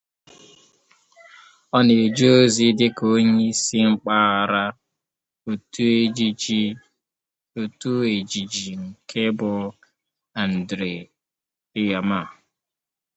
Ọ na-eje ozi dịka Onyeisi Mpaghara otu ejiji nke bụ Andrea Iyamah.